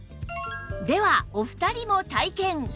ではお二人も体験